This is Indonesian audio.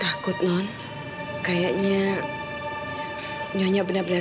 saya hanya saya hanya ingin setelah ada keluarga